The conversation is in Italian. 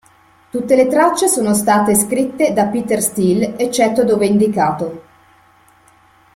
Tutte le tracce sono state scritte da Peter Steele, eccetto dove indicato.